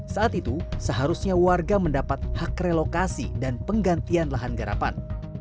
saat itu seharusnya warga mendapat hak relokasi dan penggantian lahan garapan